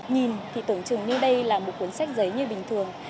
nhìn thì tưởng chừng như đây là một cuốn sách giấy như bình thường